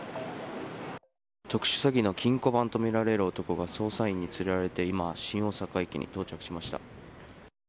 特殊詐欺の金庫番とみられる男が捜査員に連れられて今、新大阪駅に到着しました。